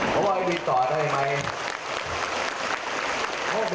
แต่ทั้งวิ่งโบ้งแล้วบินน่ะกลับไป